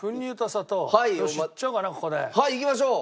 さあいきましょう。